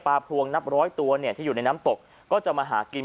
พลวงนับร้อยตัวเนี่ยที่อยู่ในน้ำตกก็จะมาหากิน